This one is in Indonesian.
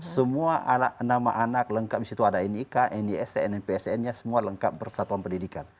semua nama anak lengkap disitu ada nik nis npsn semua lengkap bersatuan pendidikan